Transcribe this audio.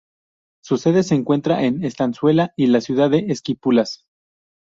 Su sede se encuentra en Estanzuela y la Ciudad de Esquipulas.